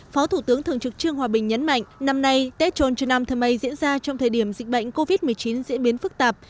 phó thủ tướng thường trực trương hòa bình nhấn mạnh năm nay tết trôn trần nam thơ mây diễn ra trong thời điểm dịch bệnh covid một mươi chín diễn biến phức tạp